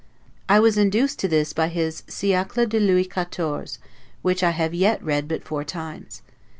I was induced to this by his 'Siecle de Louis XIV', which I have yet read but four times.